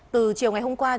từ chiều ngày hôm qua